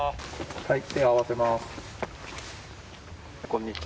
こんにちは。